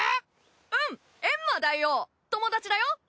うんエンマ大王友達だよ。